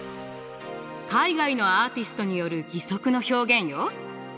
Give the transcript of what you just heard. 海外のアーティストによる義足の表現よ！